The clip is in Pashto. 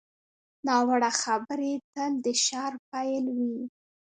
ناوړه خبرې تل د شر پیل وي